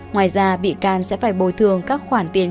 ngoài ra bị can sẽ phải bồi thường các khoản tiền